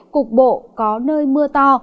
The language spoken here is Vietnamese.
cục bộ có nơi mưa to